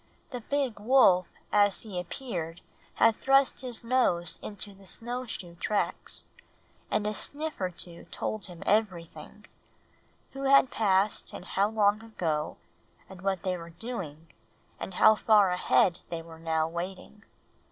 The big wolf as he appeared had thrust his nose into the snow shoe tracks, and a sniff or two told him everything, who had passed, and how long ago, and what they were doing, and how far ahead they were now waiting.